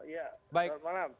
ya selamat malam